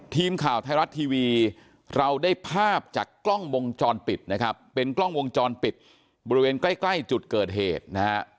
ทีมข่าวไทยรัฐทีวีเราได้ภาพจากกล้องวงจรปิดนะครับเป็นกล้องวงจรปิดบริเวณใกล้ใกล้จุดเกิดเหตุนะฮะ